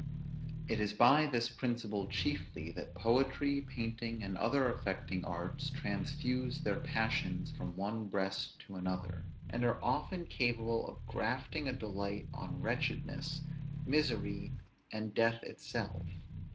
It is by this principle chiefly that poetry, painting, and other affecting arts, transfuse their passions from one breast to another, and are often capable of grafting a delight on wretchedness, misery, and death itself.